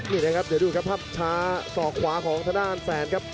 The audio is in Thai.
นี่นะครับเดี๋ยวดูครับภาพช้าสอกขวาของทางด้านแสนครับ